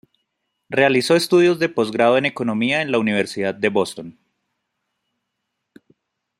Realizó estudios de postgrado en economía en la Universidad de Boston.